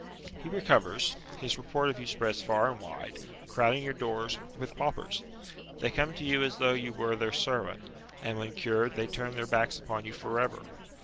He recovers; his report of you spreads far and wide, crowding your doors with paupers. They come to you as though you were their servant, and when cured they turn their backs upon you for ever.